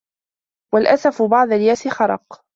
وَالْأَسَفُ بَعْدَ الْيَأْسِ خَرَقٌ